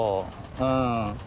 うん。